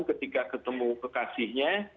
ketika ketemu kekasihnya